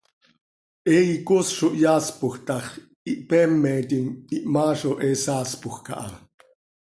He icoos zo hyaaspoj tax, ihpeemetim, ihmaa zo he saaspoj caha.